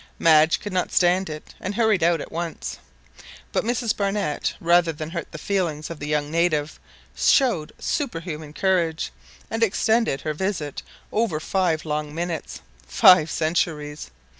Madge could not stand it, and hurried out at once, but Mrs Barnett, rather than hurt the feelings of the young native, showed superhuman courage, and extended her visit over five long minutes! five centuries!